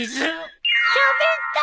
しゃべった！